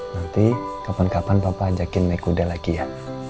nanti kapan kapan bapak ajakin naik kuda lagi ya